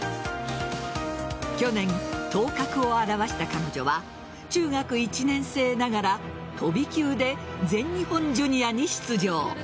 去年、頭角を現した彼女は中学１年生ながら飛び級で全日本ジュニアに出場。